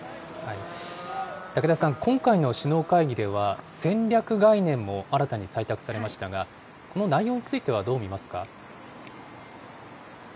竹田さん、今回の首脳会議では、戦略概念も新たに採択されましたが、この内容についてはどう見ますか。